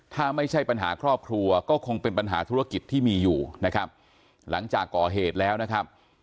ถ้าไม่ใช่ปัญหาครอบครัวก็คงเป็นปัญหาธุรกิจที่มีอยู่นะครับหลังจากก่อเหตุแล้วนะครับ